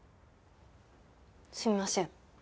すいません。